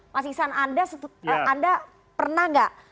mas isan anda pernah nggak